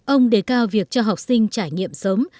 ông đề cao việc cho học sinh trải nghiệm sớm